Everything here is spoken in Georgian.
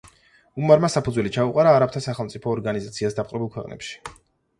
უმარმა საფუძველი ჩაუყარა არაბთა სახელმწიფო ორგანიზაციას დაპყრობილ ქვეყნებში.